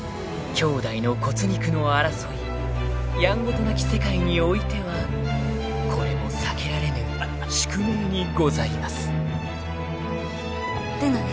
［兄弟の骨肉の争いやんごとなき世界においてはこれも避けられぬ宿命にございます］出ない？